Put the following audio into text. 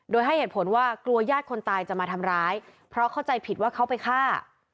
โดยให้เหตุผลว่ากลัวญาติคนตายจะมาทำร้ายเพราะเข้าใจผิดว่าเขาไปฆ่า